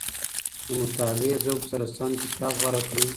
د مطالعې ذوق سره سم کتاب غوره کړئ.